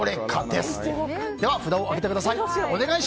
では札を上げてください。